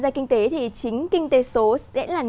giúp kinh tế việt nam phát triển